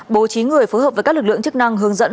bố trí người phối hợp với các lực lượng chức năng hướng dẫn